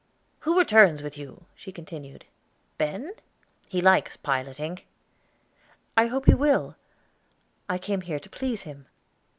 "Who returns with you," she continued, "Ben? He likes piloting." "I hope he will; I came here to please him."